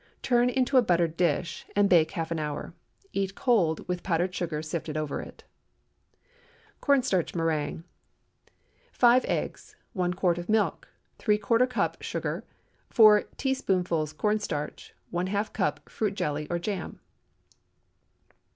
Turn into a buttered dish, and bake half an hour. Eat cold, with powdered sugar sifted over it. CORN STARCH MÉRINGUE. ✠ 5 eggs. 1 quart of milk. ¾ cup sugar. 4 teaspoonfuls corn starch. ½ cup fruit jelly or jam.